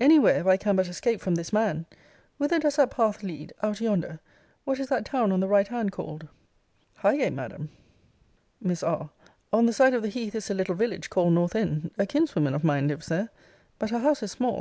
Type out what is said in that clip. Cl. Any where, if I can but escape from this man! Whither does that path lead, out yonder? What is that town on the right hand called? Mrs. Moore. Highgate, Madam. Miss R. On the side of the heath is a little village, called North end. A kinswoman of mine lives there. But her house is small.